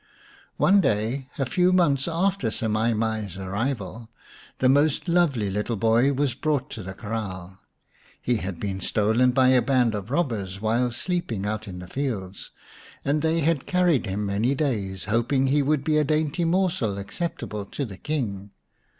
One day, a few months after Semai mai's arrival, the most lovely little boy was brought to the kraal. He had been stolen by a band of robbers while sleeping out in the fields, and they had carried him many days, hoping he would be a dainty morsel acceptable to the King.